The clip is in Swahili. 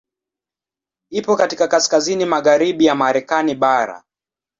Iko katika kaskazini magharibi ya Marekani bara.